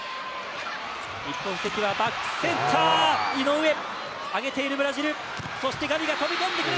日本、センター、井上、上げているブラジル、そしてガビが飛び込んでくる。